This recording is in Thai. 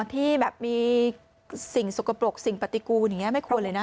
ที่แบบมีสิ่งสกปรกสิ่งปฏิกูลอย่างนี้ไม่ควรเลยนะ